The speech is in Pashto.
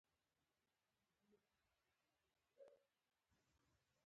خو ځینې وختونه یې د بیې پر سر اختلاف وي.